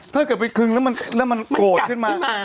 ถ้าเกิดไปคึงแล้วมันโกรธขึ้นมา